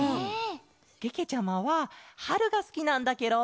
けけちゃまははるがすきなんだケロ！